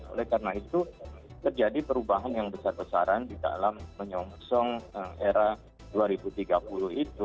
oleh karena itu terjadi perubahan yang besar besaran di dalam menyongsong era dua ribu tiga puluh itu